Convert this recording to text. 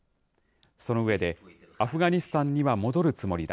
その上で、アフガニスタンには戻るつもりだ。